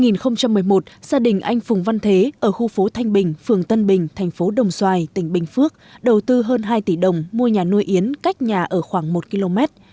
năm hai nghìn một mươi một gia đình anh phùng văn thế ở khu phố thanh bình phường tân bình thành phố đồng xoài tỉnh bình phước đầu tư hơn hai tỷ đồng mua nhà nuôi yến cách nhà ở khoảng một km